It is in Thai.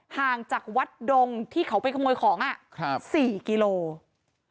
ห่างจากวัดดงที่เขาไปขโมยของ๔กิโลกรัม